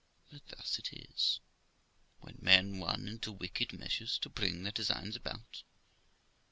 But thus it is, when men run into wicked measures to bring their designs about.